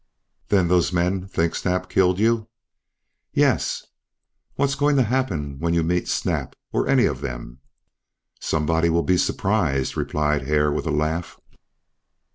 "Then those men think Snap killed you?" "Yes." "What's going to happen when you meet Snap, or any of them?" "Somebody will be surprised," replied Hare, with a laugh.